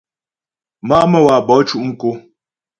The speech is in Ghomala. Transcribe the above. Má'a Məwabo cʉ' mkǒ.